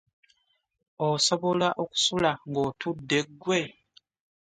Osobola okusula ng'otunula ggwe?